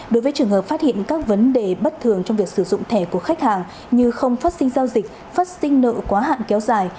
đối với trường hợp phát hiện các vấn đề bất thường trong việc sử dụng thẻ của khách hàng như không phát sinh giao dịch phát sinh nợ quá hạn kéo dài